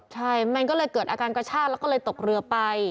ใช่มันก็เลยเกิดอาการกระชากแล้วก็เลยตกเรือไป